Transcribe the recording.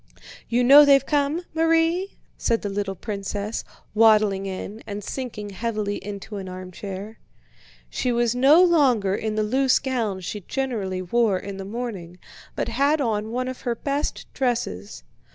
"You know they've come, Marie?" said the little princess, waddling in, and sinking heavily into an armchair. She was no longer in the loose gown she generally wore in the morning, but had on one of her best dresses.